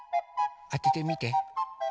あててみて。